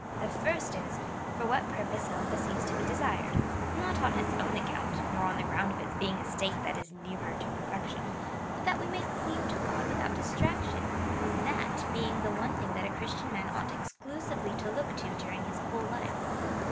The first is, for what purpose celibacy is to be desired — not on its own account, nor on the ground of its being a state that is nearer to perfection, but that we may cleave to God without distraction — tliat being the one thing that a Chris tian man ought exclusively to look to during his whole life.